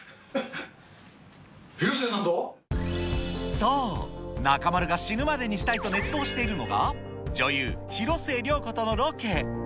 そう、中丸が死ぬまでにしたいと熱望しているのが、女優、広末涼子とのロケ。